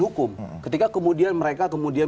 hukum ketika kemudian mereka kemudian